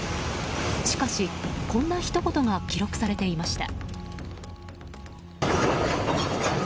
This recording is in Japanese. しかし、こんなひと言が記録されていました。